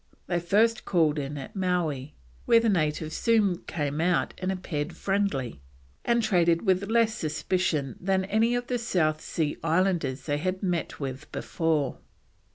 They first called in at Mowee, where the natives soon came out and appeared friendly, and traded with less suspicion than any of the South Sea Islanders they had met with before.